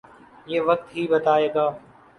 یہ وقت ہی بتائے گا۔